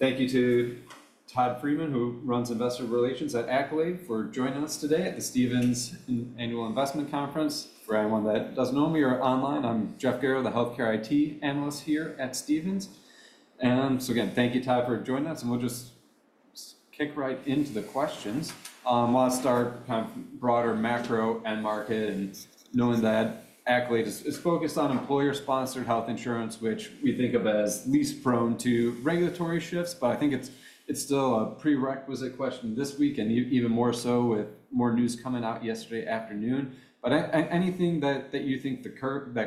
Thank you to Todd Friedman, who runs investor relations at Accolade, for joining us today at the Stephens Annual Investment Conference. For anyone that doesn't know me, or online, I'm Jeff Garro, the Healthcare IT Analyst here at Stephens. We'll just kick right into the questions. I'll start kind of broader macro and market, and knowing that Accolade is focused on employer-sponsored health insurance, which we think of as least prone to regulatory shifts. I think it's still a prerequisite question this week, and even more so with more news coming out yesterday afternoon. Anything that you think that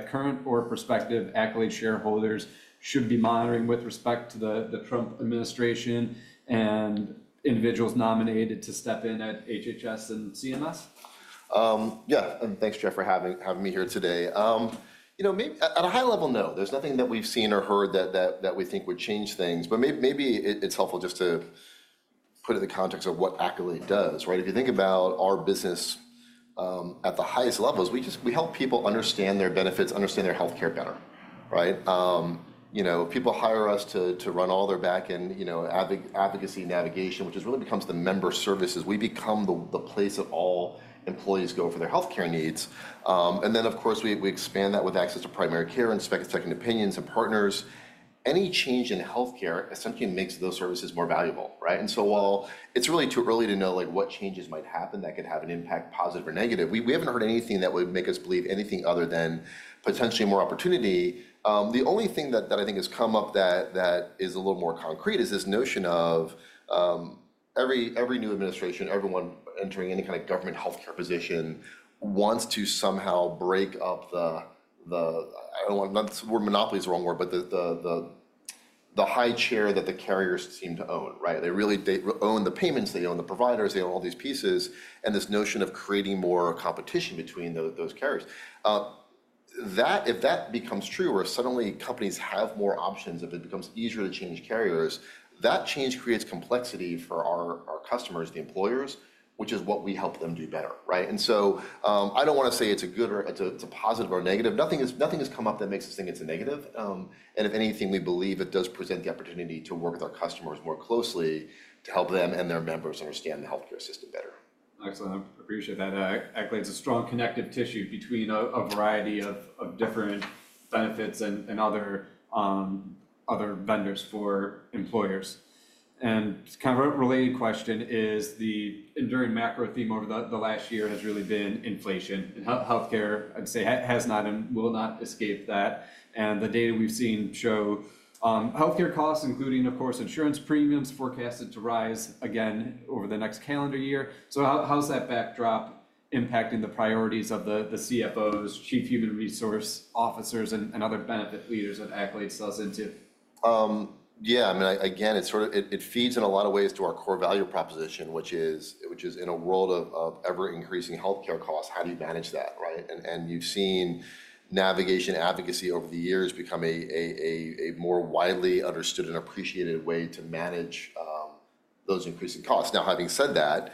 current or prospective Accolade shareholders should be monitoring with respect to the Trump administration and individuals nominated to step in at HHS and CMS? Yeah, and thanks, Jeff, for having me here today. You know, at a high level, no. There's nothing that we've seen or heard that we think would change things. But maybe it's helpful just to put it in the context of what Accolade does. If you think about our business at the highest levels, we help people understand their benefits, understand their health care better. You know, people hire us to run all their back-end advocacy navigation, which really becomes the member services. We become the place that all employees go for their health care needs. And then, of course, we expand that with access to primary care, and second opinions, and partners. Any change in health care essentially makes those services more valuable. And so while it's really too early to know what changes might happen that could have an impact, positive or negative, we haven't heard anything that would make us believe anything other than potentially more opportunity. The only thing that I think has come up that is a little more concrete is this notion of every new administration, everyone entering any kind of government health care position, wants to somehow break up the. I don't want to use the word monopoly is the wrong word. But the high share that the carriers seem to own. They really own the payments. They own the providers. They own all these pieces. And this notion of creating more competition between those carriers. If that becomes true, or suddenly companies have more options, if it becomes easier to change carriers, that change creates complexity for our customers, the employers, which is what we help them do better, and so I don't want to say it's a good or it's a positive or negative, nothing has come up that makes us think it's a negative, and if anything, we believe it does present the opportunity to work with our customers more closely to help them and their members understand the health care system better. Excellent. I appreciate that. Accolade is a strong connective tissue between a variety of different benefits and other vendors for employers. And kind of a related question is the enduring macro theme over the last year has really been inflation. And health care, I'd say, has not and will not escape that. And the data we've seen show health care costs, including, of course, insurance premiums, forecasted to rise again over the next calendar year. So how's that backdrop impacting the priorities of the CFOs, Chief Human Resource Officers, and other benefit leaders that Accolade sells into? Yeah. I mean, again, it feeds in a lot of ways to our core value proposition, which is, in a world of ever-increasing health care costs, how do you manage that? And you've seen navigation advocacy over the years become a more widely understood and appreciated way to manage those increasing costs. Now, having said that,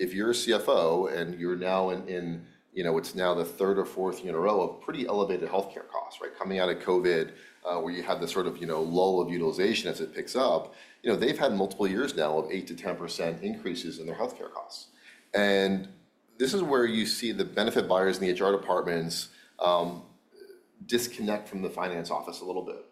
if you're a CFO and you're now in what's now the third or fourth year in a row of pretty elevated health care costs, coming out of COVID, where you have this sort of lull of utilization as it picks up, they've had multiple years now of 8%-10% increases in their health care costs. And this is where you see the benefit buyers in the HR departments disconnect from the finance office a little bit.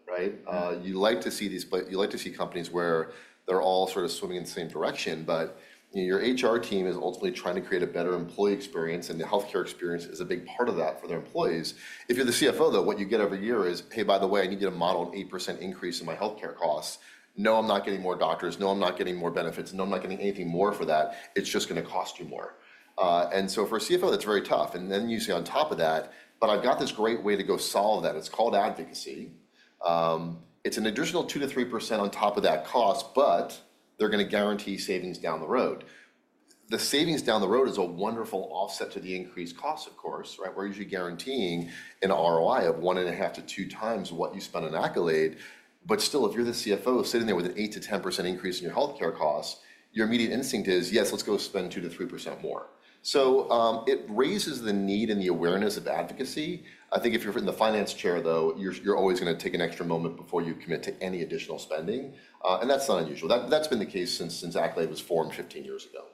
You like to see these plays. You like to see companies where they're all sort of swimming in the same direction. But your HR team is ultimately trying to create a better employee experience, and the health care experience is a big part of that for their employees. If you're the CFO, though, what you get every year is, hey, by the way, I need to get a model of an 8% increase in my health care costs. No, I'm not getting more doctors. No, I'm not getting more benefits. No, I'm not getting anything more for that. It's just going to cost you more. And so for a CFO, that's very tough. And then you see on top of that, but I've got this great way to go solve that. It's called advocacy. It's an additional 2%-3% on top of that cost, but they're going to guarantee savings down the road. The savings down the road is a wonderful offset to the increased cost, of course. We're usually guaranteeing an ROI of 1.5x-2x what you spend on Accolade. But still, if you're the CFO sitting there with an 8%-10% increase in your health care costs, your immediate instinct is, yes, let's go spend 2%-3% more. So it raises the need and the awareness of advocacy. I think if you're in the finance chair, though, you're always going to take an extra moment before you commit to any additional spending. And that's not unusual. That's been the case since Accolade was formed 15 years ago.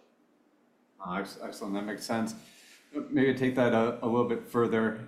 Excellent. That makes sense. Maybe take that a little bit further.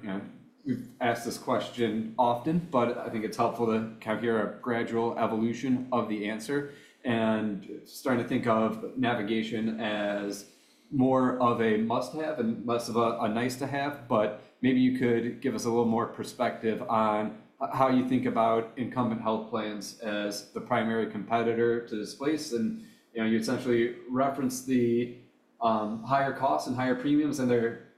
We've asked this question often, but I think it's helpful to kind of hear a gradual evolution of the answer, and starting to think of navigation as more of a must-have and less of a nice-to-have, but maybe you could give us a little more perspective on how you think about incumbent health plans as the primary competitor to this place, and you essentially referenced the higher costs and higher premiums, and there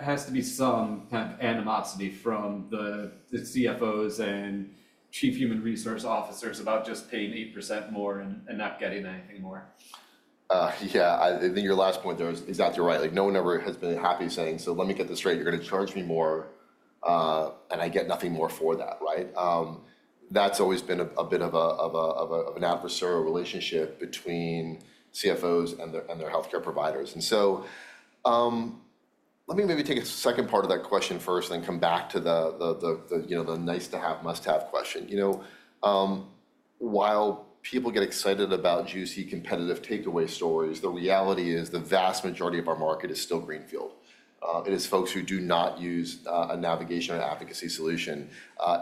has to be some kind of animosity from the CFOs and chief human resource officers about just paying 8% more and not getting anything more. Yeah. I think your last point there is exactly right. No one ever has been happy saying, so let me get this straight. You're going to charge me more, and I get nothing more for that. That's always been a bit of an adversarial relationship between CFOs and their health care providers. And so let me maybe take a second part of that question first, and then come back to the nice-to-have, must-have question. While people get excited about juicy, competitive takeaway stories, the reality is the vast majority of our market is still greenfield. It is folks who do not use a navigation or advocacy solution.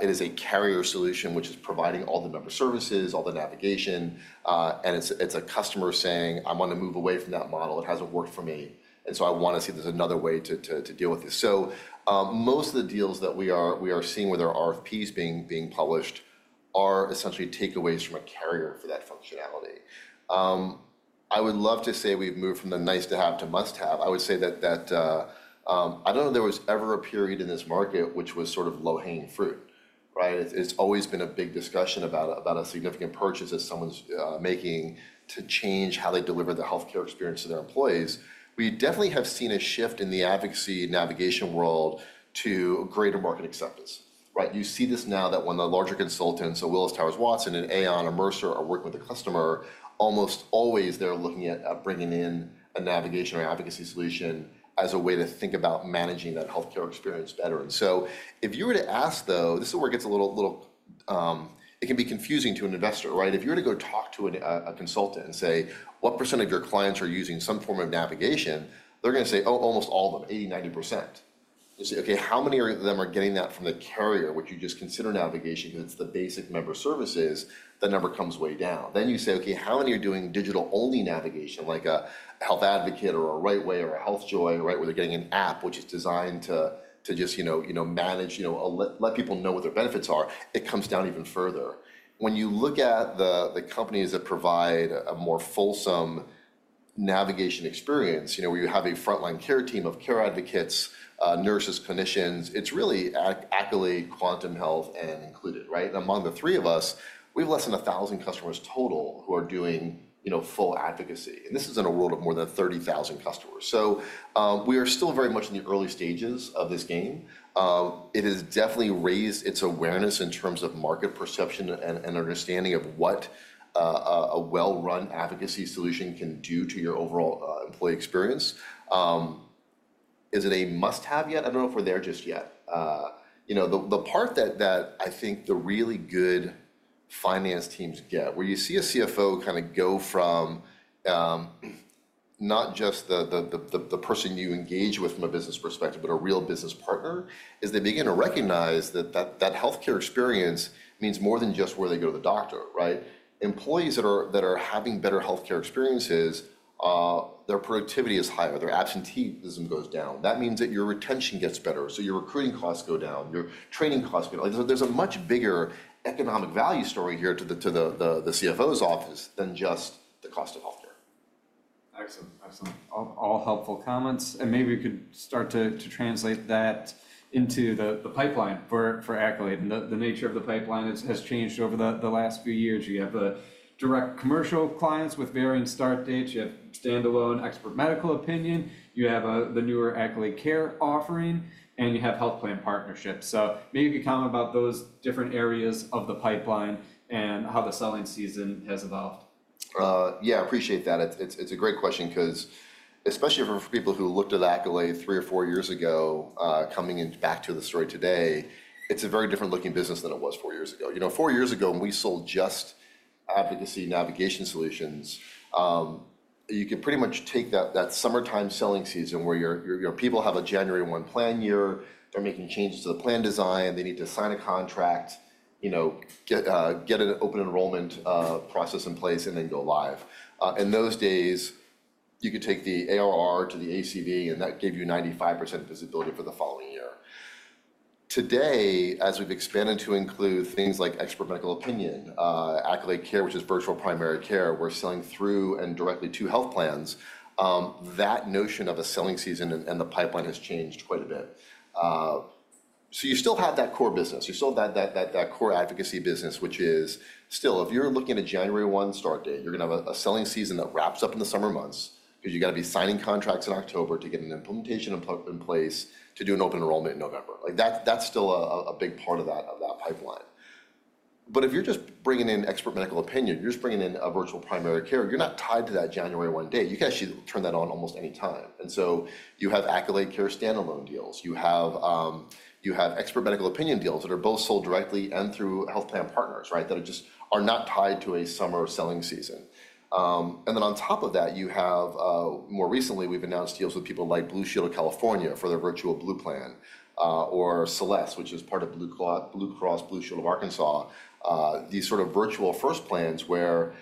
It is a carrier solution, which is providing all the member services, all the navigation. And it's a customer saying, I want to move away from that model. It hasn't worked for me. And so I want to see there's another way to deal with this. So most of the deals that we are seeing where there are RFPs being published are essentially takeaways from a carrier for that functionality. I would love to say we've moved from the nice-to-have to must-have. I would say that I don't know if there was ever a period in this market which was sort of low-hanging fruit. It's always been a big discussion about a significant purchase that someone's making to change how they deliver the health care experience to their employees. We definitely have seen a shift in the advocacy navigation world to greater market acceptance. You see this now that when the larger consultants, so Willis Towers Watson, and Aon, and Mercer are working with a customer, almost always they're looking at bringing in a navigation or advocacy solution as a way to think about managing that health care experience better. And so if you were to ask, though, this is where it gets a little, it can be confusing to an investor. If you were to go talk to a consultant and say, what percent of your clients are using some form of navigation? They're going to say, oh, almost all of them, 80%, 90%. You say, OK, how many of them are getting that from the carrier, which you just consider navigation because it's the basic member services? That number comes way down. Then you say, OK, how many are doing digital-only navigation, like a Health Advocate, or a Rightway, or a HealthJoy, right, where they're getting an app which is designed to just manage, let people know what their benefits are? It comes down even further. When you look at the companies that provide a more fulsome navigation experience, where you have a frontline care team of care advocates, nurses, clinicians, it's really Accolade, Quantum Health, and Included. And among the three of us, we have less than 1,000 customers total who are doing full advocacy. And this is in a world of more than 30,000 customers. So we are still very much in the early stages of this game. It has definitely raised its awareness in terms of market perception and understanding of what a well-run advocacy solution can do to your overall employee experience. Is it a must-have yet? I don't know if we're there just yet. The part that I think the really good finance teams get, where you see a CFO kind of go from not just the person you engage with from a business perspective, but a real business partner, is they begin to recognize that that health care experience means more than just where they go to the doctor. Employees that are having better health care experiences, their productivity is higher. Their absenteeism goes down. That means that your retention gets better. So your recruiting costs go down. Your training costs go down. There's a much bigger economic value story here to the CFO's office than just the cost of health care. Excellent. Excellent. All helpful comments, and maybe we could start to translate that into the pipeline for Accolade. And the nature of the pipeline has changed over the last few years. You have direct commercial clients with varying start dates. You have standalone Expert Medical Opinion. You have the newer Accolade Care offering, and you have Health Plans partnerships, so maybe you could comment about those different areas of the pipeline and how the selling season has evolved. Yeah, I appreciate that. It's a great question because especially for people who looked at Accolade three or four years ago, coming back to the story today, it's a very different looking business than it was four years ago. Four years ago, when we sold just advocacy navigation solutions, you could pretty much take that summertime selling season where people have a January 1 plan year. They're making changes to the plan design. They need to sign a contract, get an open enrollment process in place, and then go live. In those days, you could take the ARR to the ACV, and that gave you 95% visibility for the following year. Today, as we've expanded to include things like expert medical opinion, Accolade Care, which is virtual primary care, we're selling through and directly to health plans. That notion of a selling season and the pipeline has changed quite a bit. So you still have that core business. You still have that core advocacy business, which is still, if you're looking at a January 1 start date, you're going to have a selling season that wraps up in the summer months because you've got to be signing contracts in October to get an implementation in place to do an open enrollment in November. That's still a big part of that pipeline. But if you're just bringing in expert medical opinion, you're just bringing in a virtual primary care, you're not tied to that January 1 date. You can actually turn that on almost any time. And so you have Accolade Care standalone deals. You have expert medical opinion deals that are both sold directly and through health plan partners that are just not tied to a summer selling season. And then on top of that, you have more recently, we've announced deals with people like Blue Shield of California for their Virtual Blue plan, or Select, which is part of Arkansas Blue Cross and Blue Shield, these sort of virtual-first plans where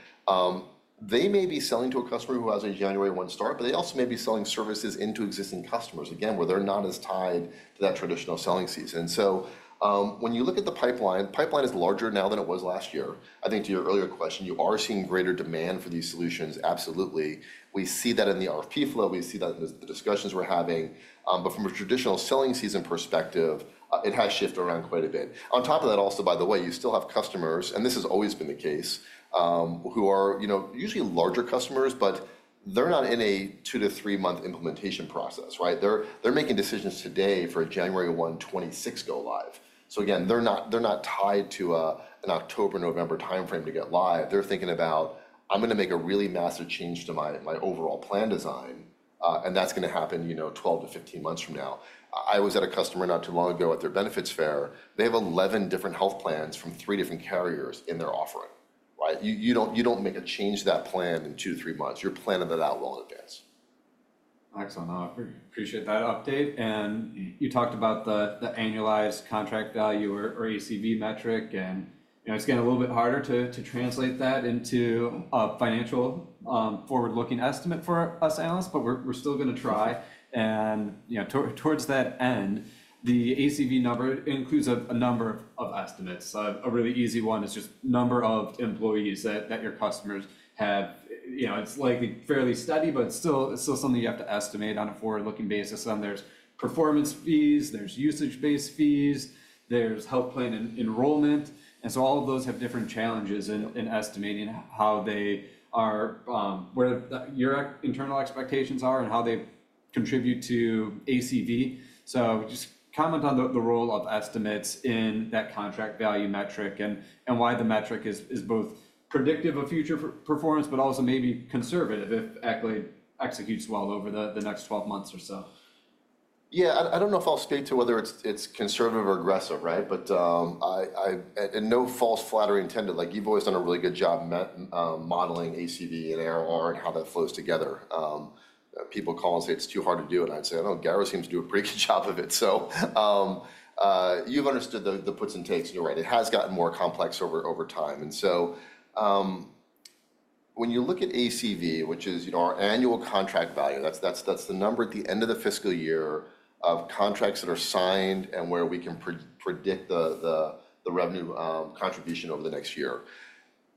they may be selling to a customer who has a January 1 start, but they also may be selling services into existing customers, again, where they're not as tied to that traditional selling season. And so when you look at the pipeline, the pipeline is larger now than it was last year. I think to your earlier question, you are seeing greater demand for these solutions, absolutely. We see that in the RFP flow. We see that in the discussions we're having. But from a traditional selling season perspective, it has shifted around quite a bit. On top of that also, by the way, you still have customers, and this has always been the case, who are usually larger customers, but they're not in a two to three-month implementation process. They're making decisions today for a January 1st, 2026 go live. So again, they're not tied to an October, November time frame to get live. They're thinking about, I'm going to make a really massive change to my overall plan design, and that's going to happen 12 to 15 months from now. I was at a customer not too long ago at their benefits fair. They have 11 different health plans from three different carriers in their offering. You don't make a change to that plan in two to three months. You're planning that out well in advance. Excellent. I appreciate that update. And you talked about the annualized contract value or ACV metric. And it's getting a little bit harder to translate that into a financial forward-looking estimate for us analysts, but we're still going to try. And towards that end, the ACV number includes a number of estimates. A really easy one is just number of employees that your customers have. It's likely fairly steady, but it's still something you have to estimate on a forward-looking basis. And there's performance fees. There's usage-based fees. There's health plan enrollment. And so all of those have different challenges in estimating where your internal expectations are and how they contribute to ACV. So just comment on the role of estimates in that contract value metric and why the metric is both predictive of future performance, but also maybe conservative if Accolade executes well over the next 12 months or so. Yeah. I don't know if I'll speak to whether it's conservative or aggressive, but no false flattery intended. You've always done a really good job modeling ACV and ARR and how that flows together. People call and say it's too hard to do it. I'd say, I don't know, Garris seems to do a pretty good job of it. So you've understood the puts and takes, and you're right. It has gotten more complex over time, and so when you look at ACV, which is our annual contract value, that's the number at the end of the fiscal year of contracts that are signed and where we can predict the revenue contribution over the next year.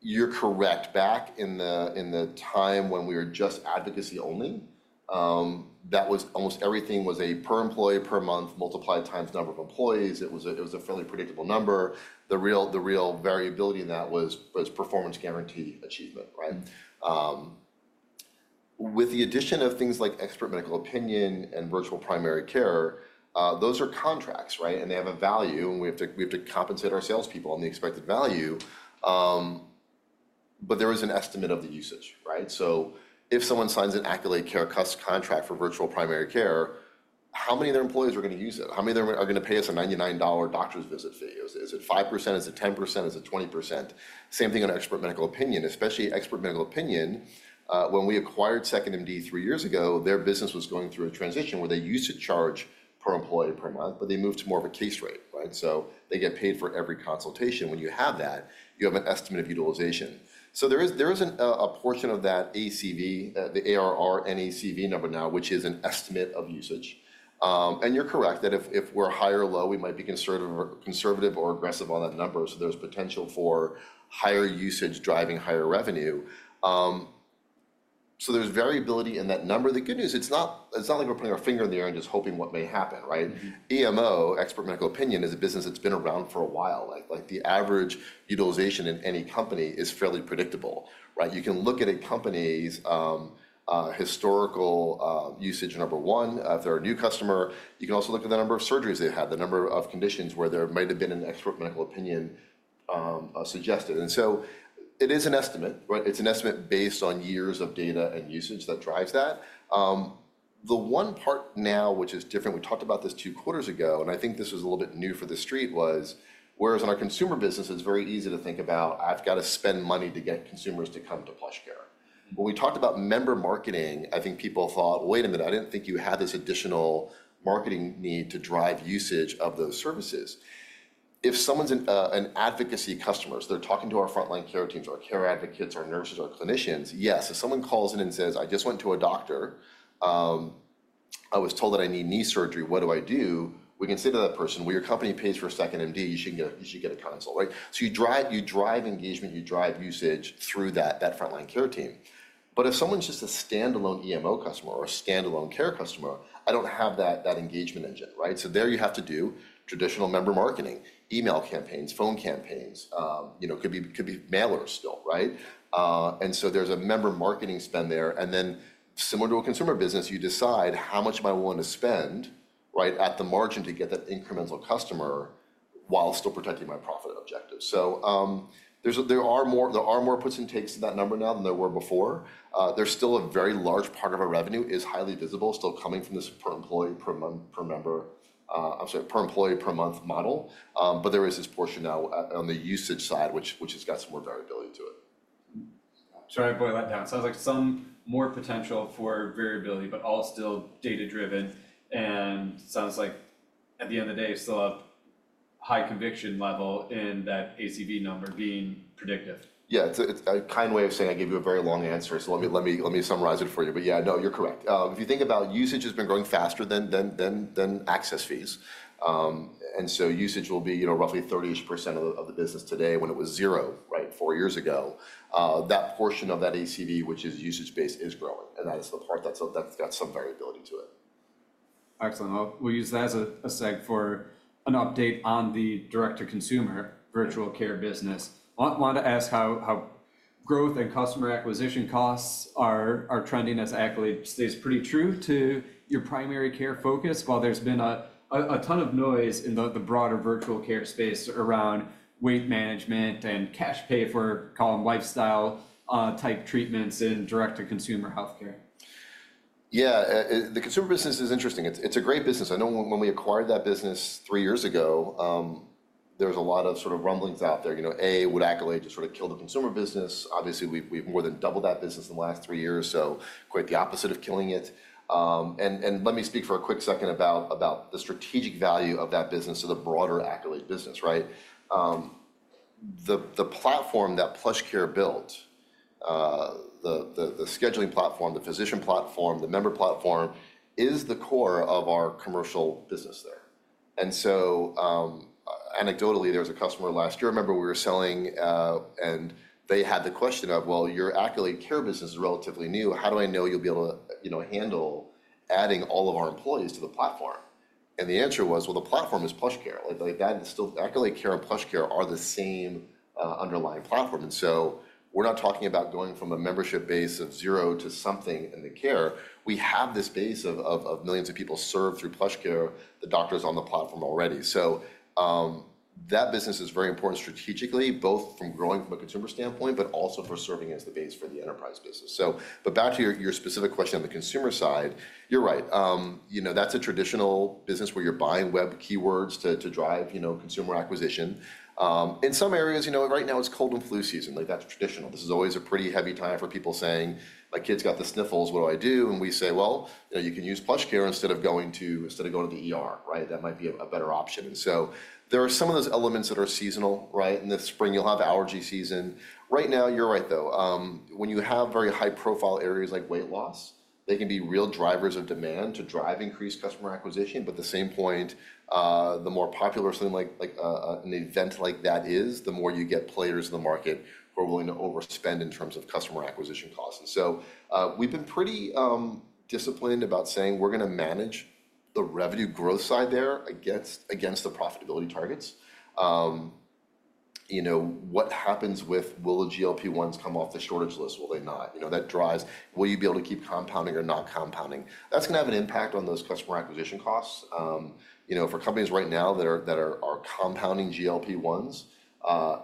You're correct. Back in the time when we were just advocacy only, that was almost everything was a per employee, per month, multiplied times number of employees. It was a fairly predictable number. The real variability in that was performance guarantee achievement. With the addition of things like expert medical opinion and virtual primary care, those are contracts. And they have a value. And we have to compensate our salespeople on the expected value. But there is an estimate of the usage. So if someone signs an Accolade Care customer contract for virtual primary care, how many of their employees are going to use it? How many of them are going to pay us a $99 doctor's visit fee? Is it 5%? Is it 10%? Is it 20%? Same thing on expert medical opinion. Especially expert medical opinion, when we acquired 2nd.MD three years ago, their business was going through a transition where they used to charge per employee per month, but they moved to more of a case rate. So they get paid for every consultation. When you have that, you have an estimate of utilization. So there is a portion of that ACV, the ARR and ACV number now, which is an estimate of usage. And you're correct that if we're high or low, we might be conservative or aggressive on that number. So there's potential for higher usage driving higher revenue. So there's variability in that number. The good news, it's not like we're putting our finger in the air and just hoping what may happen. EMO, expert medical opinion, is a business that's been around for a while. The average utilization in any company is fairly predictable. You can look at a company's historical usage, number one. If they're a new customer, you can also look at the number of surgeries they've had, the number of conditions where there might have been an expert medical opinion suggested. And so it is an estimate. It's an estimate based on years of data and usage that drives that. The one part now, which is different, we talked about this two quarters ago, and I think this was a little bit new for the street, was whereas in our consumer business, it's very easy to think about, I've got to spend money to get consumers to come to PlushCare. When we talked about member marketing, I think people thought, wait a minute, I didn't think you had this additional marketing need to drive usage of those services. If someone's an advocacy customer, so they're talking to our frontline care teams, our care advocates, our nurses, our clinicians, yes. If someone calls in and says, I just went to a doctor. I was told that I need knee surgery. What do I do? We can say to that person, well, your company pays for 2nd.MD. You should get a consult. So you drive engagement. You drive usage through that frontline care team. But if someone's just a standalone EMO customer or a standalone care customer, I don't have that engagement engine. So there you have to do traditional member marketing, email campaigns, phone campaigns, could be mailers still. And so there's a member marketing spend there. And then similar to a consumer business, you decide how much am I willing to spend at the margin to get that incremental customer while still protecting my profit objective. So there are more puts and takes to that number now than there were before. There's still a very large part of our revenue is highly visible, still coming from this per employee, per member, I'm sorry, per employee, per month model. But there is this portion now on the usage side, which has got some more variability to it. Sorry. I boiled that down. Sounds like some more potential for variability, but all still data-driven, and sounds like at the end of the day, still a high conviction level in that ACV number being predictive. Yeah. It's a kind way of saying I gave you a very long answer. So let me summarize it for you. But yeah, no, you're correct. If you think about usage has been growing faster than access fees. And so usage will be roughly 30% of the business today when it was zero four years ago. That portion of that ACV, which is usage-based, is growing. And that's the part that's got some variability to it. Excellent. We'll use that as a segue for an update on the direct-to-consumer virtual care business. I wanted to ask how growth and customer acquisition costs are trending as Accolade stays pretty true to your primary care focus while there's been a ton of noise in the broader virtual care space around weight management and cash pay for, call them, lifestyle-type treatments in direct-to-consumer health care. Yeah. The consumer business is interesting. It's a great business. I know when we acquired that business three years ago, there was a lot of sort of rumblings out there. A, would Accolade just sort of kill the consumer business? Obviously, we've more than doubled that business in the last three years, so quite the opposite of killing it. And let me speak for a quick second about the strategic value of that business to the broader Accolade business. The platform that PlushCare built, the scheduling platform, the physician platform, the member platform, is the core of our commercial business there. And so anecdotally, there was a customer last year. I remember we were selling, and they had the question of, well, your Accolade Care business is relatively new. How do I know you'll be able to handle adding all of our employees to the platform? The answer was, well, the platform is PlushCare. Accolade Care and PlushCare are the same underlying platform. And so we're not talking about going from a membership base of zero to something in the care. We have this base of millions of people served through PlushCare. The doctors are on the platform already. So that business is very important strategically, both from growing from a consumer standpoint, but also for serving as the base for the enterprise business. But back to your specific question on the consumer side, you're right. That's a traditional business where you're buying web keywords to drive consumer acquisition. In some areas, right now, it's cold and flu season. That's traditional. This is always a pretty heavy time for people saying, my kid's got the sniffles. What do I do? And we say, well, you can use PlushCare instead of going to the. That might be a better option. And so there are some of those elements that are seasonal. In the spring, you'll have allergy season. Right now, you're right, though. When you have very high-profile areas like weight loss, they can be real drivers of demand to drive increased customer acquisition. But at the same point, the more popular something like an event like that is, the more you get players in the market who are willing to overspend in terms of customer acquisition costs. And so we've been pretty disciplined about saying we're going to manage the revenue growth side there against the profitability targets. What happens with, will the GLP-1s come off the shortage list? Will they not? That drives, will you be able to keep compounding or not compounding? That's going to have an impact on those customer acquisition costs. For companies right now that are compounding GLP-1s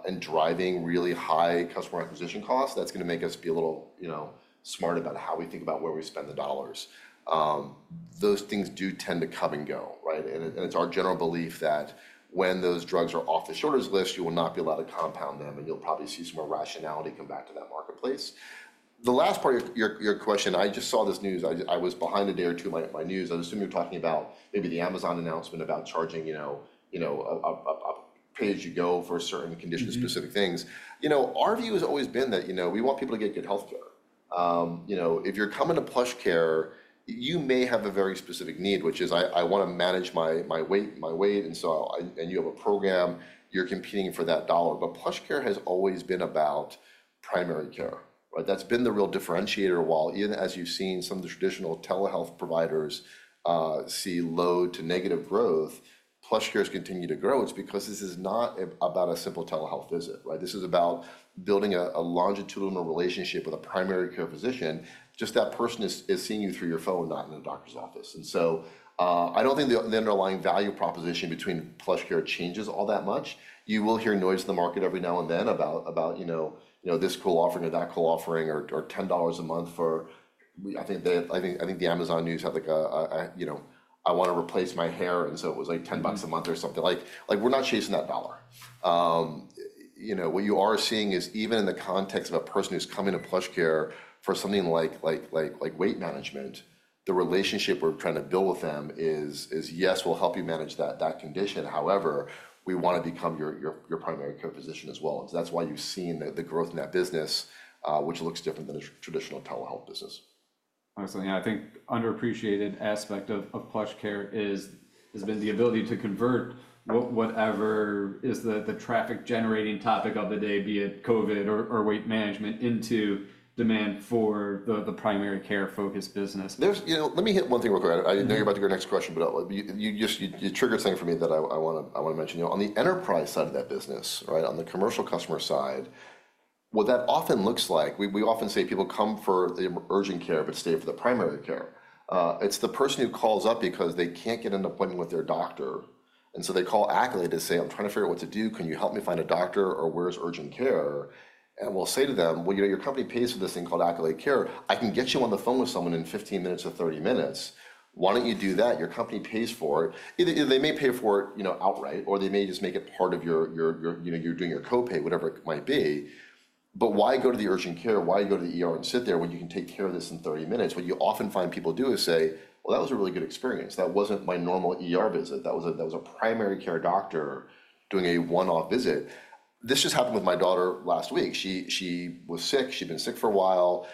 and driving really high customer acquisition costs, that's going to make us be a little smart about how we think about where we spend the dollars. Those things do tend to come and go. And it's our general belief that when those drugs are off the shortage list, you will not be allowed to compound them, and you'll probably see some more rationality come back to that marketplace. The last part of your question, I just saw this news. I was behind a day or two in my news. I assume you're talking about maybe the Amazon announcement about charging a pay-as-you-go for certain condition-specific things. Our view has always been that we want people to get good health care. If you're coming to PlushCare, you may have a very specific need, which is, I want to manage my weight, and so you have a program. You're competing for that dollar, but PlushCare has always been about primary care. That's been the real differentiator, while even as you've seen some of the traditional telehealth providers see low to negative growth, PlushCare has continued to grow. It's because this is not about a simple telehealth visit. This is about building a longitudinal relationship with a primary care physician, just that person is seeing you through your phone, not in a doctor's office, and so I don't think the underlying value proposition between PlushCare changes all that much. You will hear noise in the market every now and then about this cool offering or that cool offering or $10 a month for I think the Amazon news had like, "I want to replace my hair." And so it was like $10 a month or something. We're not chasing that dollar. What you are seeing is even in the context of a person who's coming to PlushCare for something like weight management, the relationship we're trying to build with them is, yes, we'll help you manage that condition. However, we want to become your primary care physician as well. And so that's why you've seen the growth in that business, which looks different than a traditional telehealth business. Excellent. Yeah. I think underappreciated aspect of PlushCare has been the ability to convert whatever is the traffic-generating topic of the day, be it COVID or weight management, into demand for the primary care-focused business. Let me hit one thing real quick. I know you're about to go to your next question, but you triggered something for me that I want to mention. On the enterprise side of that business, on the commercial customer side, what that often looks like. We often say people come for the urgent care, but stay for the primary care. It's the person who calls up because they can't get an appointment with their doctor. And so they call Accolade to say, I'm trying to figure out what to do. Can you help me find a doctor? Or where's urgent care? And we'll say to them, well, your company pays for this thing called Accolade Care. I can get you on the phone with someone in 15 minutes to 30 minutes. Why don't you do that? Your company pays for it. They may pay for it outright, or they may just make it part of your copay, whatever it might be. But why go to the urgent care? Why go to the urgent care and sit there when you can take care of this in 30 minutes? What you often find people do is say, well, that was a really good experience. That wasn't my normal visit. That was a primary care doctor doing a one-off visit. This just happened with my daughter last week. She was sick. She'd been sick for a while.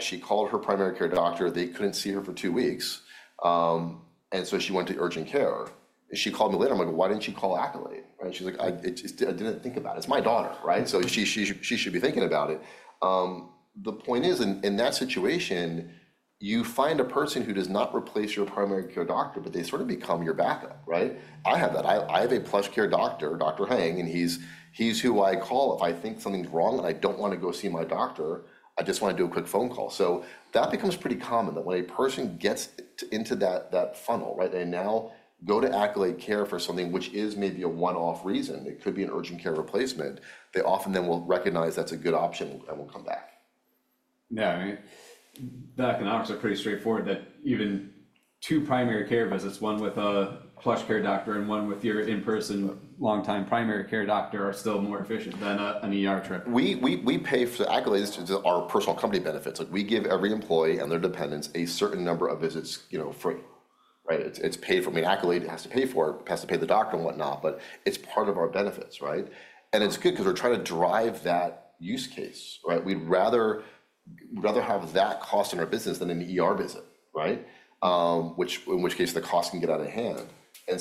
She called her primary care doctor. They couldn't see her for two weeks. And so she went to urgent care. She called me later. I'm like, well, why didn't you call Accolade? She's like, I didn't think about it. It's my daughter. So she should be thinking about it. The point is, in that situation, you find a person who does not replace your primary care doctor, but they sort of become your backup. I have that. I have a PlushCare doctor, Dr. Hang, and he's who I call if I think something's wrong and I don't want to go see my doctor. I just want to do a quick phone call. So that becomes pretty common that when a person gets into that funnel, they now go to Accolade Care for something, which is maybe a one-off reason. It could be an urgent care replacement. They often then will recognize that's a good option and will come back. Yeah. Back in ours, it's pretty straightforward that even two primary care visits, one with a PlushCare doctor and one with your in-person longtime primary care doctor, are still more efficient than an ER trip. We pay for Accolade as our personal company benefits. We give every employee and their dependents a certain number of visits. It's paid for. I mean, Accolade has to pay for it, has to pay the doctor and whatnot, but it's part of our benefits, and it's good because we're trying to drive that use case. We'd rather have that cost in our business than an ER visit, in which case the cost can get out of hand, and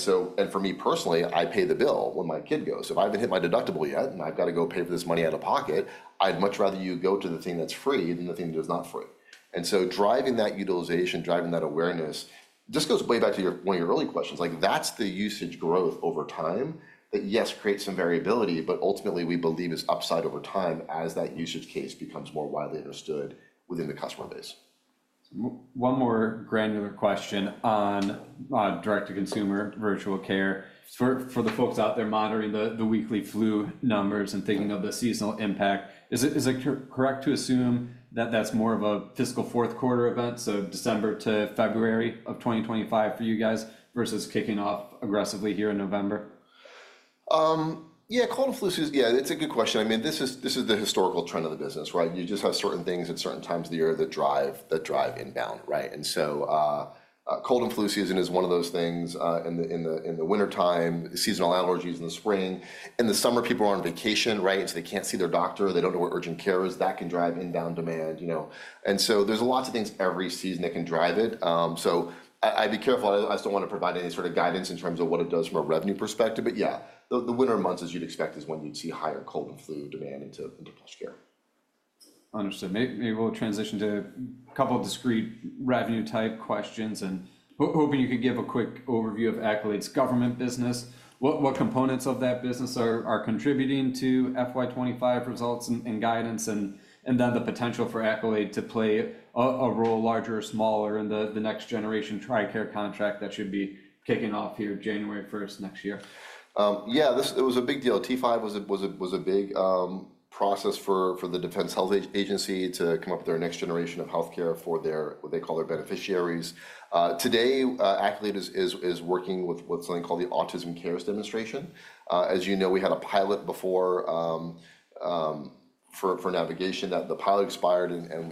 for me personally, I pay the bill when my kid goes. If I haven't hit my deductible yet and I've got to go pay for this money out of pocket, I'd much rather you go to the thing that's free than the thing that is not free, and so driving that utilization, driving that awareness, this goes way back to one of your early questions. That's the usage growth over time that, yes, creates some variability, but ultimately we believe is upside over time as that usage case becomes more widely understood within the customer base. One more granular question on direct-to-consumer virtual care. For the folks out there monitoring the weekly flu numbers and thinking of the seasonal impact, is it correct to assume that that's more of a fiscal fourth quarter event, so December to February of 2025 for you guys versus kicking off aggressively here in November? Yeah. Cold and flu season, yeah, it's a good question. I mean, this is the historical trend of the business. You just have certain things at certain times of the year that drive inbound. And so cold and flu season is one of those things in the wintertime, seasonal allergies in the spring. In the summer, people are on vacation, so they can't see their doctor. They don't know where urgent care is. That can drive inbound demand. And so there's lots of things every season that can drive it. So I'd be careful. I just don't want to provide any sort of guidance in terms of what it does from a revenue perspective. But yeah, the winter months, as you'd expect, is when you'd see higher cold and flu demand into PlushCare. Understood. Maybe we'll transition to a couple of discrete revenue-type questions, and hoping you can give a quick overview of Accolade's government business. What components of that business are contributing to FY 2025 results and guidance and then the potential for Accolade to play a role larger or smaller in the next generation TRICARE contract that should be kicking off here January 1st next year? Yeah. It was a big deal. T-5 was a big process for the Defense Health Agency to come up with their next generation of health care for what they call their beneficiaries. Today, Accolade is working with something called the Autism Care Demonstration. As you know, we had a pilot before for navigation that the pilot expired, and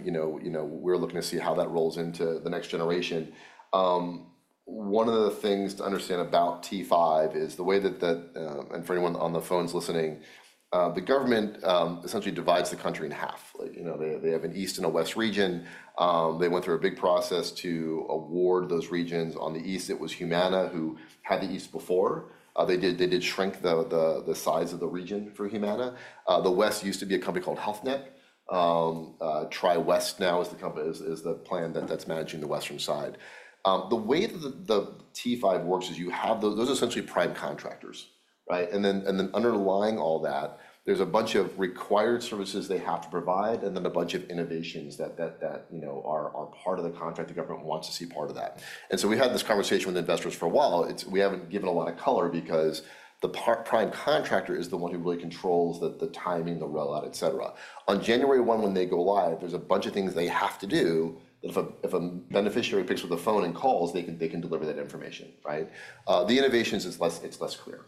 we're looking to see how that rolls into the next generation. One of the things to understand about T5 is the way that, and for anyone on the phones listening, the government essentially divides the country in half. They have an east and a west region. They went through a big process to award those regions. On the east, it was Humana who had the east before. They did shrink the size of the region for Humana. The west used to be a company called Health Net. TriWest now is the plan that's managing the western side. The way that the T-5 works is you have those essentially prime contractors. And then underlying all that, there's a bunch of required services they have to provide and then a bunch of innovations that are part of the contract the government wants to see part of that. And so we had this conversation with investors for a while. We haven't given a lot of color because the prime contractor is the one who really controls the timing, the rollout, et cetera. On January 1, when they go live, there's a bunch of things they have to do that if a beneficiary picks up the phone and calls, they can deliver that information. The innovations, it's less clear.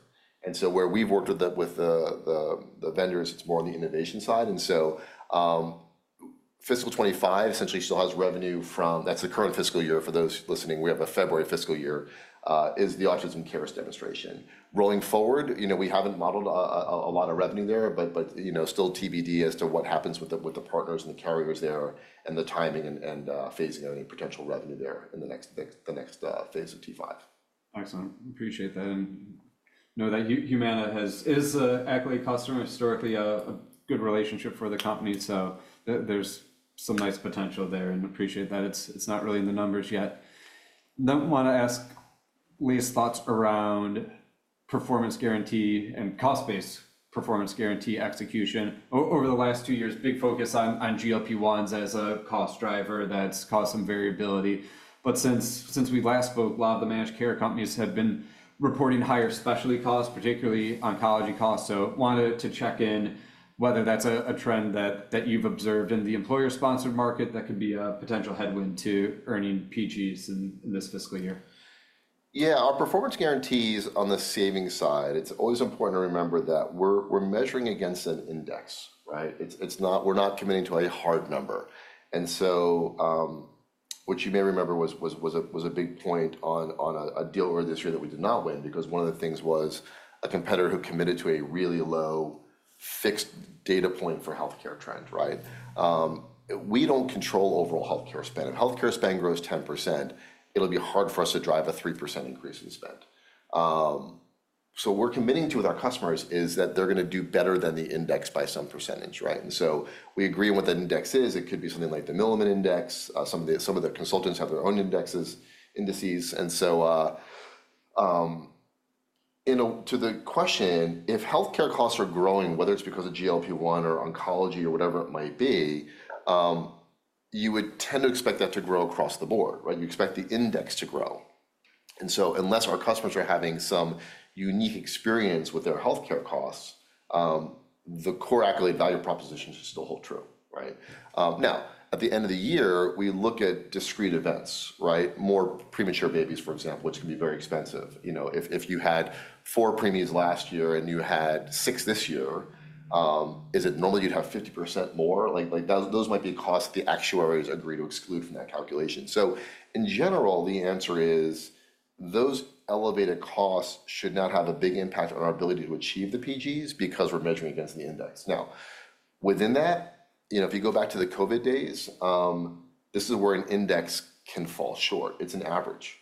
And so where we've worked with the vendors, it's more on the innovation side. Fiscal 2025 essentially still has revenue from that. That's the current fiscal year for those listening. We have a February fiscal year is the Autism Care Demonstration. Rolling forward, we haven't modeled a lot of revenue there, but still TBD as to what happens with the partners and the carriers there and the timing and phasing out any potential revenue there in the next phase of T-5. Excellent. Appreciate that. And know that Humana is an Accolade customer, historically a good relationship for the company. So there's some nice potential there and appreciate that it's not really in the numbers yet. I want to ask Lee's thoughts around performance guarantee and cost-based performance guarantee execution. Over the last two years, big focus on GLP-1s as a cost driver that's caused some variability. But since we last spoke, a lot of the managed care companies have been reporting higher specialty costs, particularly oncology costs. So wanted to check in whether that's a trend that you've observed in the employer-sponsored market that could be a potential headwind to earning PGs in this fiscal year. Yeah. Our performance guarantees on the savings side, it's always important to remember that we're measuring against an index. We're not committing to a hard number, and so what you may remember was a big point on a deal earlier this year that we did not win because one of the things was a competitor who committed to a really low fixed data point for health care trend. We don't control overall health care spend. If health care spend grows 10%, it'll be hard for us to drive a 3% increase in spend, so what we're committing to with our customers is that they're going to do better than the index by some percentage, and so we agree on what that index is. It could be something like the Milliman Index. Some of the consultants have their own indices. And so to the question, if health care costs are growing, whether it's because of GLP-1 or oncology or whatever it might be, you would tend to expect that to grow across the board. You expect the index to grow. And so unless our customers are having some unique experience with their health care costs, the core Accolade value propositions should still hold true. Now, at the end of the year, we look at discrete events, more premature babies, for example, which can be very expensive. If you had four preemies last year and you had six this year, is it normal you'd have 50% more? Those might be costs the actuaries agree to exclude from that calculation. So in general, the answer is those elevated costs should not have a big impact on our ability to achieve the PGs because we're measuring against the index. Now, within that, if you go back to the COVID days, this is where an index can fall short. It's an average.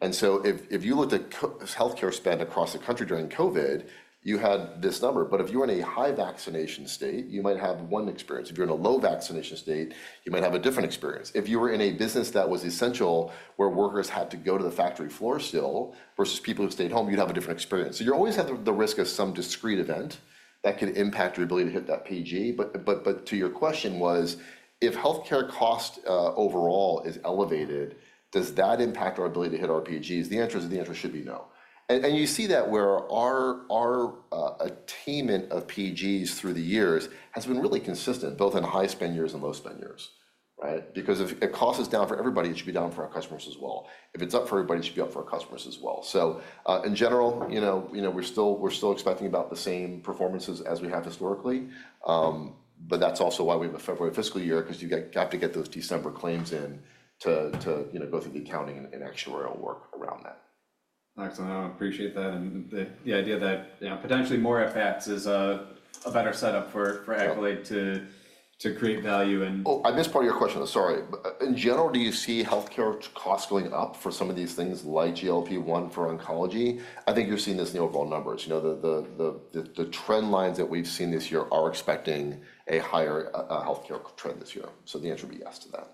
And so if you looked at health care spend across the country during COVID, you had this number. But if you were in a high vaccination state, you might have one experience. If you're in a low vaccination state, you might have a different experience. If you were in a business that was essential where workers had to go to the factory floor still versus people who stayed home, you'd have a different experience. So you always have the risk of some discrete event that could impact your ability to hit that PG. But to your question was, if health care cost overall is elevated, does that impact our ability to hit our PGs? The answer is the answer should be no. And you see that where our attainment of PGs through the years has been really consistent, both in high spend years and low spend years. Because if it costs us down for everybody, it should be down for our customers as well. If it's up for everybody, it should be up for our customers as well. So in general, we're still expecting about the same performances as we have historically. But that's also why we have a February fiscal year because you have to get those December claims in to go through the accounting and actuarial work around that. Excellent. I appreciate that. And the idea that potentially more FX is a better setup for Accolade to create value and. I missed part of your question. Sorry. In general, do you see health care costs going up for some of these things, like GLP-1 for oncology? I think you're seeing this in the overall numbers. The trend lines that we've seen this year are expecting a higher health care trend this year. So the answer would be yes to that.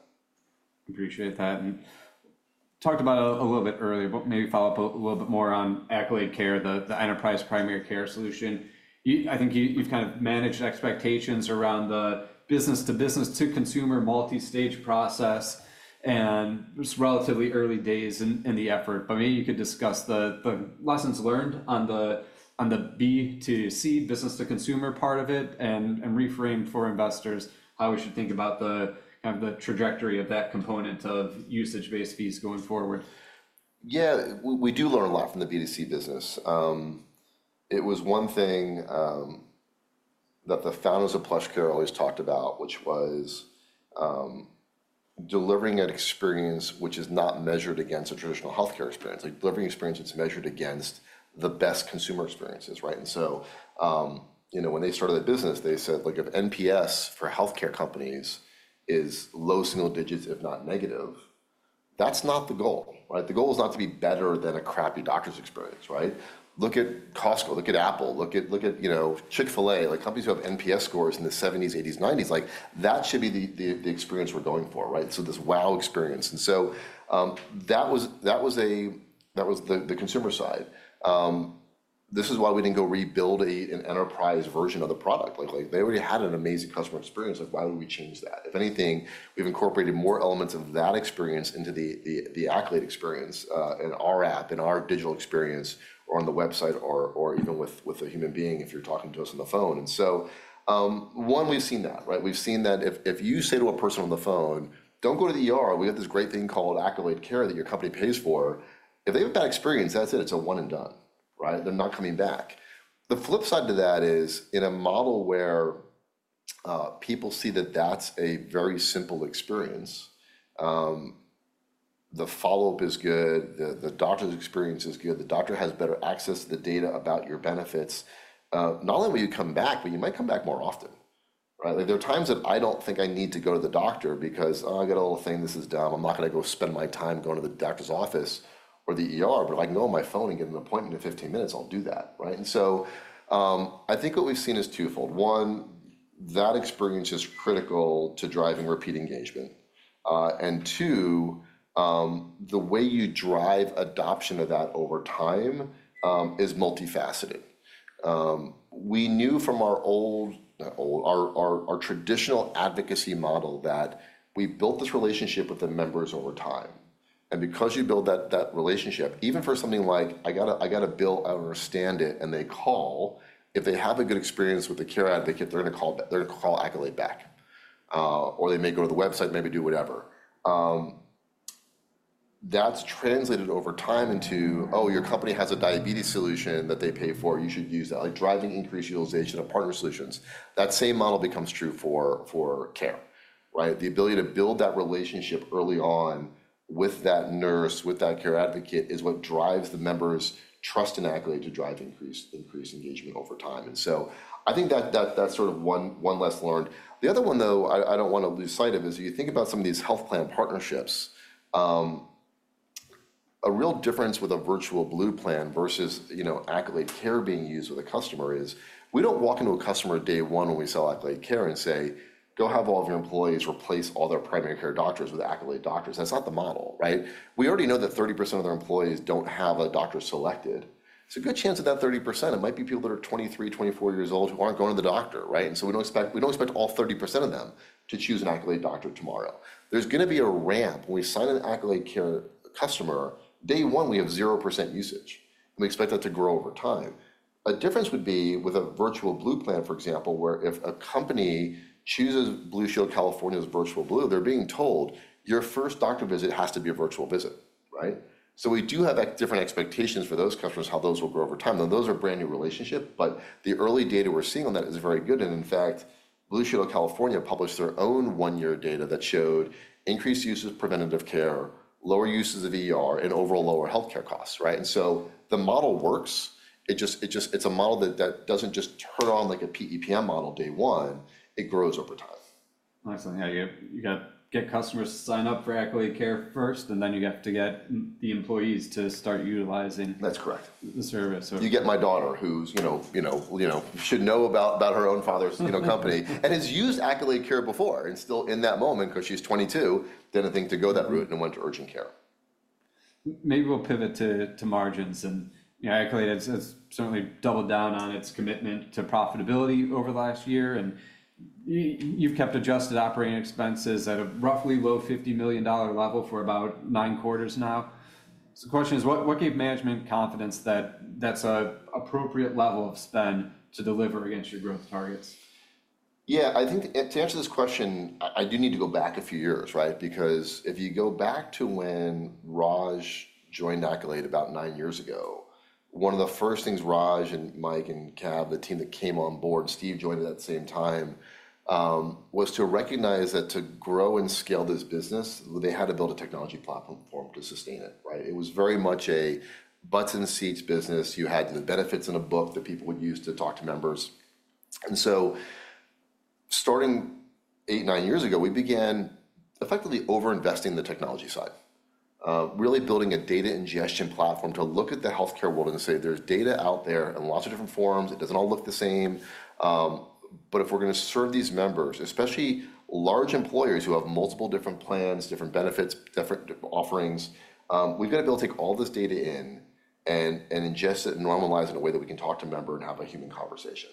Appreciate that and talked about it a little bit earlier, but maybe follow up a little bit more on Accolade Care, the enterprise primary care solution. I think you've kind of managed expectations around the business-to-business-to-consumer multi-stage process and relatively early days in the effort, but maybe you could discuss the lessons learned on the B2C business-to-consumer part of it and reframe for investors how we should think about the trajectory of that component of usage-based fees going forward. Yeah. We do learn a lot from the B2C business. It was one thing that the founders of PlushCare always talked about, which was delivering an experience which is not measured against a traditional healthcare experience. Delivering an experience that's measured against the best consumer experiences. And so when they started that business, they said, "Look, if NPS for healthcare companies is low single digits, if not negative, that's not the goal." The goal is not to be better than a crappy doctor's experience. Look at Costco. Look at Apple. Look at Chick-fil-A. Companies who have NPS scores in the 70s, 80s, 90s, that should be the experience we're going for. So this wow experience. And so that was the consumer side. This is why we didn't go rebuild an enterprise version of the product. They already had an amazing customer experience. Why would we change that? If anything, we've incorporated more elements of that experience into the Accolade experience in our app, in our digital experience, or on the website, or even with a human being if you're talking to us on the phone. And so one, we've seen that. We've seen that if you say to a person on the phone, "Don't go to the ER. We have this great thing called Accolade Care that your company pays for," if they have that experience, that's it. It's a one and done. They're not coming back. The flip side to that is in a model where people see that that's a very simple experience, the follow-up is good, the doctor's experience is good, the doctor has better access to the data about your benefits, not only will you come back, but you might come back more often. There are times that I don't think I need to go to the doctor because I got a little thing. This is down. I'm not going to go spend my time going to the doctor's office or the ER, but if I can go on my phone and get an appointment in 15 minutes, I'll do that. And so I think what we've seen is twofold. One, that experience is critical to driving repeat engagement. And two, the way you drive adoption of that over time is multifaceted. We knew from our old, traditional advocacy model that we built this relationship with the members over time. And because you build that relationship, even for something like, "I got a bill, I understand it," and they call, if they have a good experience with the care advocate, they're going to call Accolade back. Or they may go to the website, maybe do whatever. That's translated over time into, "Oh, your company has a diabetes solution that they pay for. You should use that." Driving increased utilization of partner solutions. That same model becomes true for care. The ability to build that relationship early on with that nurse, with that care advocate is what drives the members' trust in Accolade to drive increased engagement over time. And so I think that's sort of one lesson learned. The other one, though, I don't want to lose sight of is you think about some of these health plan partnerships. A real difference with a Virtual Blue plan versus Accolade Care being used with a customer is we don't walk into a customer day one when we sell Accolade Care and say, "Go have all of your employees replace all their primary care doctors with Accolade doctors." That's not the model. We already know that 30% of their employees don't have a doctor selected. It's a good chance of that 30%. It might be people that are 23, 24 years old who aren't going to the doctor. And so we don't expect all 30% of them to choose an Accolade doctor tomorrow. There's going to be a ramp. When we sign an Accolade Care customer, day one, we have 0% usage, and we expect that to grow over time. A difference would be with a Virtual Blue plan, for example, where if a company chooses Blue Shield of California's Virtual Blue, they're being told, "Your first doctor visit has to be a virtual visit." So we do have different expectations for those customers, how those will grow over time. Those are brand new relationships, but the early data we're seeing on that is very good, and in fact, Blue Shield of California published their own one-year data that showed increased uses of preventative care, lower uses of and overall lower health care costs, so the model works. It's a model that doesn't just turn on like a PEPM model day one. It grows over time. Excellent. Yeah. You get customers to sign up for Accolade Care first, and then you have to get the employees to start utilizing. That's correct. The service. You get my daughter, who should know about her own father's company and has used Accolade Care before, and still in that moment because she's 22, didn't think to go that route and went to urgent care. Maybe we'll pivot to margins. And Accolade has certainly doubled down on its commitment to profitability over the last year. And you've kept adjusted operating expenses at a roughly low $50 million level for about nine quarters now. So the question is, what gave management confidence that that's an appropriate level of spend to deliver against your growth targets? Yeah. I think to answer this question, I do need to go back a few years. Because if you go back to when Raj joined Accolade about nine years ago, one of the first things Raj and Mike and Cav, the team that came on board, Steve joined at that same time, was to recognize that to grow and scale this business, they had to build a technology platform to sustain it. It was very much a boots-in-seats business. You had the benefits in a book that people would use to talk to members. And so starting eight, nine years ago, we began effectively overinvesting the technology side, really building a data ingestion platform to look at the health care world and say, "There's data out there in lots of different forms. It doesn't all look the same. But if we're going to serve these members, especially large employers who have multiple different plans, different benefits, different offerings, we've got to be able to take all this data in and ingest it and normalize it in a way that we can talk to a member and have a human conversation."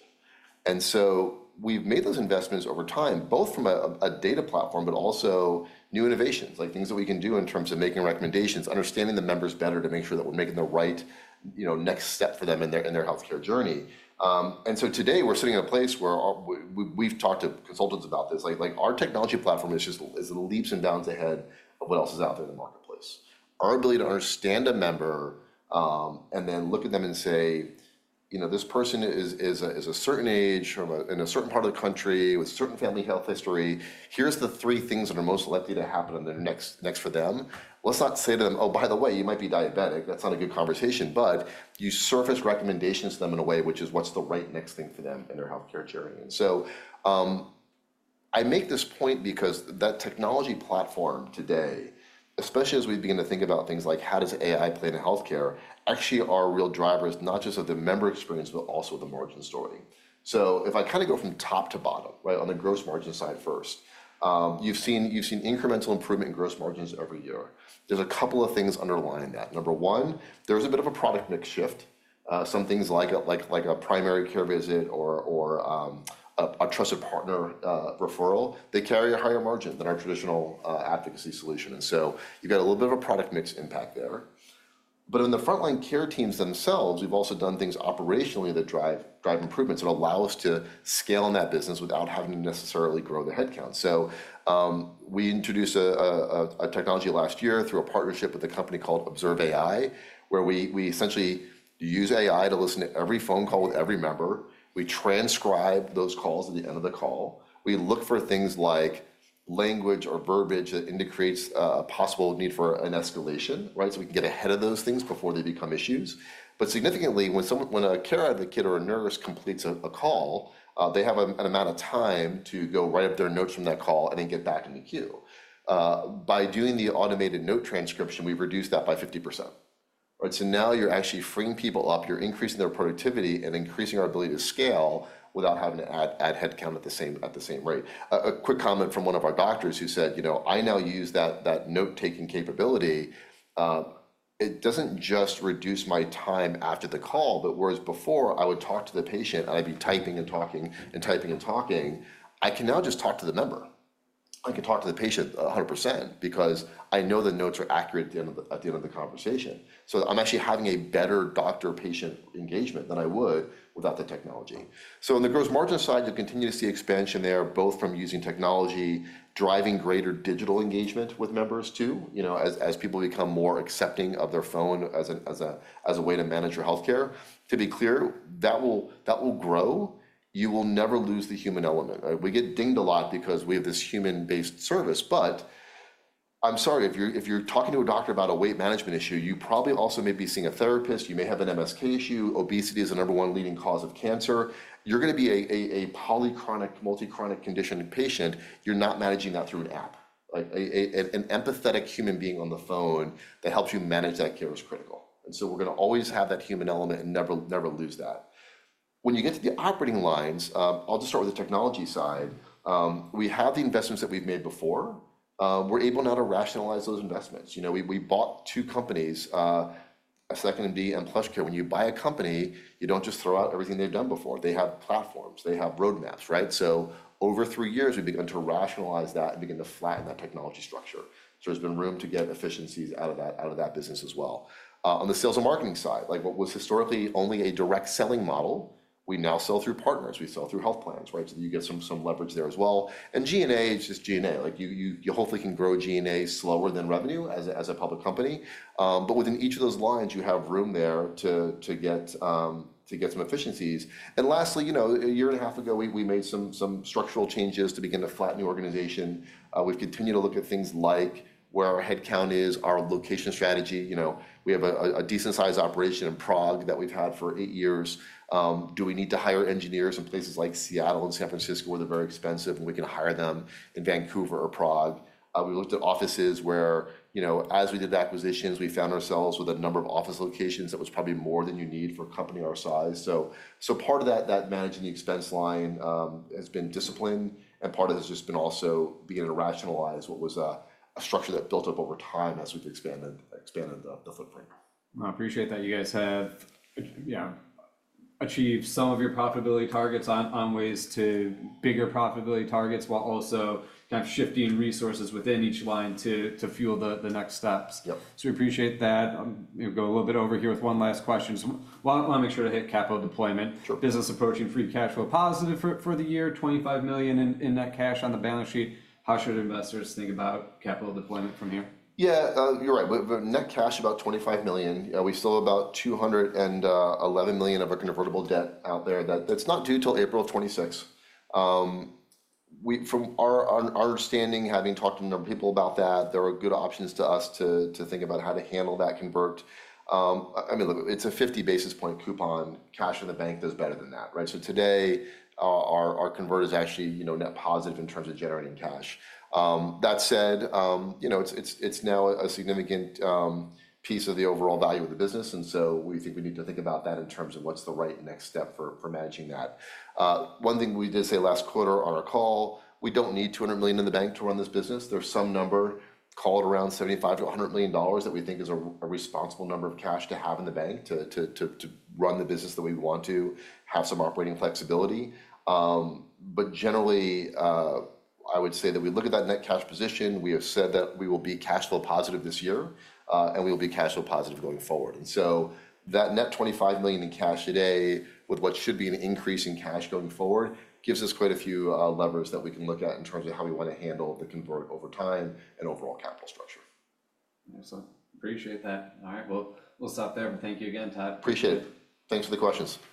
And so we've made those investments over time, both from a data platform, but also new innovations, like things that we can do in terms of making recommendations, understanding the members better to make sure that we're making the right next step for them in their health care journey. And so today, we're sitting in a place where we've talked to consultants about this. Our technology platform is just leaps and bounds ahead of what else is out there in the marketplace. Our ability to understand a member and then look at them and say, "This person is a certain age in a certain part of the country with a certain family health history. Here's the three things that are most likely to happen next for them." Let's not say to them, "Oh, by the way, you might be diabetic. That's not a good conversation," but you surface recommendations to them in a way which is what's the right next thing for them in their health care journey, and so I make this point because that technology platform today, especially as we begin to think about things like how does AI play in health care, actually are real drivers not just of the member experience, but also the margin story. So if I kind of go from top to bottom on the gross margin side first, you've seen incremental improvement in gross margins every year. There's a couple of things underlying that. Number one, there's a bit of a product mix shift. Some things like a primary care visit or a trusted partner referral, they carry a higher margin than our traditional advocacy solution. And so you've got a little bit of a product mix impact there. But in the frontline care teams themselves, we've also done things operationally that drive improvements that allow us to scale in that business without having to necessarily grow the headcount. So we introduced a technology last year through a partnership with a company called Observe.AI, where we essentially use AI to listen to every phone call with every member. We transcribe those calls at the end of the call. We look for things like language or verbiage that indicates a possible need for an escalation so we can get ahead of those things before they become issues. But significantly, when a care advocate or a nurse completes a call, they have an amount of time to go write up their notes from that call and then get back in the queue. By doing the automated note transcription, we've reduced that by 50%. So now you're actually freeing people up. You're increasing their productivity and increasing our ability to scale without having to add headcount at the same rate. A quick comment from one of our doctors who said, "I now use that note-taking capability. It doesn't just reduce my time after the call, but whereas before, I would talk to the patient and I'd be typing and talking and typing and talking, I can now just talk to the member. I can talk to the patient 100% because I know the notes are accurate at the end of the conversation. So I'm actually having a better doctor-patient engagement than I would without the technology," so on the gross margin side, you'll continue to see expansion there, both from using technology, driving greater digital engagement with members too, as people become more accepting of their phone as a way to manage your health care. To be clear, that will grow. You will never lose the human element. We get dinged a lot because we have this human-based service. But I'm sorry, if you're talking to a doctor about a weight management issue, you probably also may be seeing a therapist. You may have an MSK issue. Obesity is the number one leading cause of cancer. You're going to be a polychronic, multi-chronic condition patient. You're not managing that through an app. An empathetic human being on the phone that helps you manage that care is critical. And so we're going to always have that human element and never lose that. When you get to the operating lines, I'll just start with the technology side. We have the investments that we've made before. We're able now to rationalize those investments. We bought two companies, 2nd.MD, and PlushCare. When you buy a company, you don't just throw out everything they've done before. They have platforms. They have roadmaps. So over three years, we've begun to rationalize that and begin to flatten that technology structure. So there's been room to get efficiencies out of that business as well. On the sales and marketing side, what was historically only a direct selling model, we now sell through partners. We sell through health plans. So you get some leverage there as well. And G&A, it's just G&A. You hopefully can grow G&A slower than revenue as a public company. But within each of those lines, you have room there to get some efficiencies. And lastly, a year and a half ago, we made some structural changes to begin to flatten the organization. We've continued to look at things like where our headcount is, our location strategy. We have a decent-sized operation in Prague that we've had for eight years. Do we need to hire engineers in places like Seattle and San Francisco where they're very expensive, and we can hire them in Vancouver or Prague? We looked at offices where, as we did acquisitions, we found ourselves with a number of office locations that was probably more than you need for a company our size. So part of that, managing the expense line, has been discipline. And part of it has just been also beginning to rationalize what was a structure that built up over time as we've expanded the footprint. I appreciate that you guys have achieved some of your profitability targets on the way to bigger profitability targets while also kind of shifting resources within each line to fuel the next steps. So we appreciate that. I'm going to go a little bit over here with one last question. I want to make sure to hit capital deployment. Business approaching free cash flow positive for the year, $25 million in net cash on the balance sheet. How should investors think about capital deployment from here? Yeah, you're right. Net cash about $25 million. We still have about $211 million of our convertible debt out there that's not due until April 2026. From our understanding, having talked to a number of people about that, there are good options to us to think about how to handle that convert. I mean, look, it's a 50 basis point coupon. Cash in the bank does better than that. So today, our convert is actually net positive in terms of generating cash. That said, it's now a significant piece of the overall value of the business. And so we think we need to think about that in terms of what's the right next step for managing that. One thing we did say last quarter on our call, we don't need $200 million in the bank to run this business. There's some number called around $75 million-$100 million that we think is a responsible number of cash to have in the bank to run the business that we want to have some operating flexibility. But generally, I would say that we look at that net cash position. We have said that we will be cash flow positive this year, and we will be cash flow positive going forward. And so that net $25 million in cash today with what should be an increase in cash going forward gives us quite a few levers that we can look at in terms of how we want to handle the convert over time and overall capital structure. Excellent. Appreciate that. All right. Well, we'll stop there. But thank you again, Todd. Appreciate it. Thanks for the questions.